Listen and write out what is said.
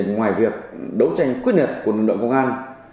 ngoài việc đấu tranh quyết liệt của lực lượng công an